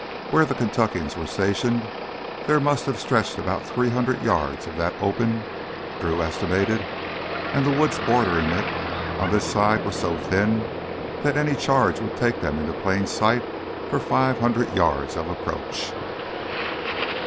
Where the Kentuckians were stationed, there must have stretched about three hundred yards of that open, Drew estimated, and the woods bordering it on this side were so thin that any charge would take them into plain sight for five hundred yards of approach.